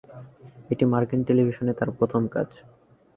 এটি মার্কিন টেলিভিশনে তার প্রথম কাজ।